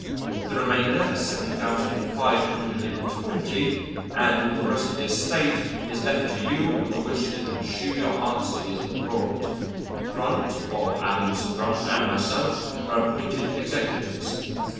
The remainder, seven thousand five hundred and twenty, and all the rest of the estate is left to you with the wish that you pursue your art studies abroad. Brunt, of Adams & Brunt, and myself are appointed executors.